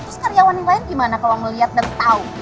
terus karyawan yang lain gimana kalo ngeliat dan tau